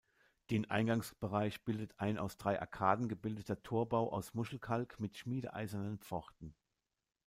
Den Eingangsbereich bildet ein aus drei Arkaden gebildeter Torbau aus Muschelkalk mit schmiedeeisernen Pforten.